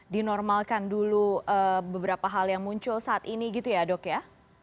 dinormalkan dulu beberapa hal yang muncul saat ini gitu ya dok ya